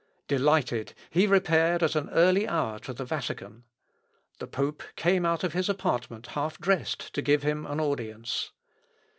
Delighted, he repaired at an early hour to the Vatican. The pope came out of his apartment half dressed to give him an audience.